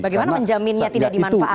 bagaimana menjaminnya tidak dimanfaatkan